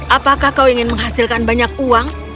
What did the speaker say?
apakah kau ingin menghasilkan banyak uang